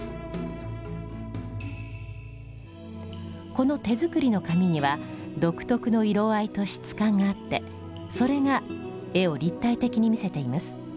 この手作りの紙には独特の色合いと質感があってそれが絵を立体的に見せています。